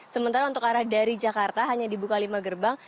sementara untuk arah dari jakarta hanya dibuka lima gerbang